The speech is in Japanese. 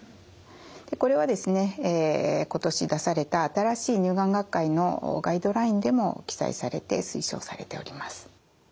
これはですね今年出された新しい乳がん学会のガイドラインでも記載されて推奨されております。